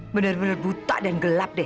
bener bener buta dan gelap deh